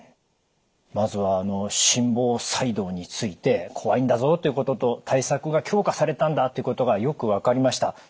まずはあの心房細動について怖いんだぞということと対策が強化されたんだということがよく分かりました。